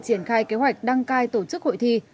triển khai kế hoạch đăng cai tổ chức hội thi